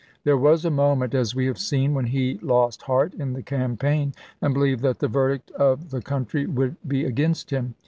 There was a moment, as we have seen, when he lost heart in the campaign, and believed that the verdict of the country would be against him.